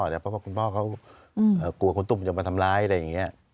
เพราะว่าคุณพ่อเขากลัวคุณตุ้มจะมาทำร้ายอะไรอย่างนี้